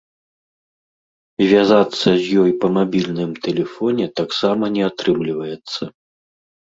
Звязацца з ёй па мабільным тэлефоне таксама не атрымліваецца.